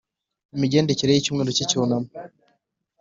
Imigendekere y icyumweru cy icyunamo